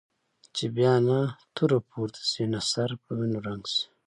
چې بیا نه توره پورته شي نه سر په وینو رنګ شي.